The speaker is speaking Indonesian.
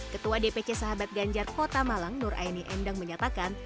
ketua dpc sahabat ganjar kota malang nur aini endang menyatakan